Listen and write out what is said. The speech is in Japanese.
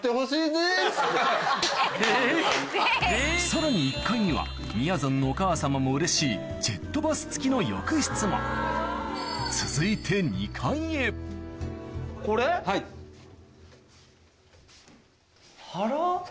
さらに１階にはみやぞんのお母様もうれしいジェットバス付きの浴室も続いてあら？